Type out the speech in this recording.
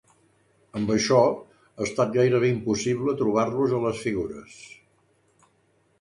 Amb això, ha estat gairebé impossible trobar-los a les figures.